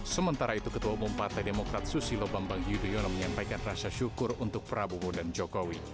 sementara itu ketua umum partai demokrat susilo bambang yudhoyono menyampaikan rasa syukur untuk prabowo dan jokowi